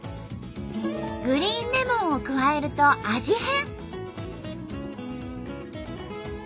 グリーンレモンを加えると味変！